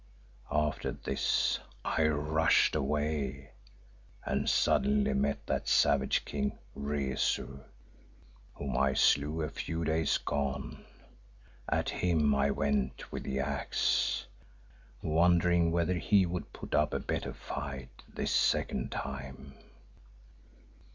After this I rushed away and suddenly met that savage king, Rezu, whom I slew a few days gone. At him I went with the axe, wondering whether he would put up a better fight this second time."